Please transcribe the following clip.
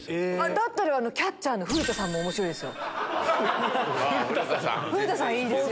だったらキャッチャーの古田さんも面白いですよ。